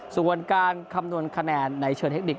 ส่วนกลางคำนวณคะแนนในเชิดเฮคโนมัติ